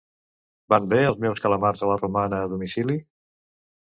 Van bé els meus calamars a la romana a domicili?